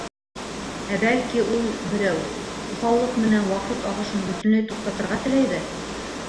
— Ә, бәлки, ул «берәү» уҫаллыҡ менән ваҡыт ағышын бөтөнләй туҡтатырға теләйҙер!